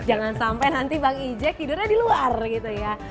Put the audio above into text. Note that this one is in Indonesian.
jangan sampai nanti bang ijek tidurnya di luar gitu ya